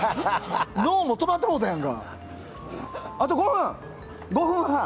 脳も止まってもうたやんか。